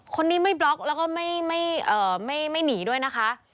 คนนี้ไม่บล็อกแล้วก็ไม่หนีด้วยนะคะ